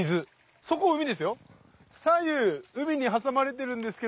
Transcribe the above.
そこ海ですよ。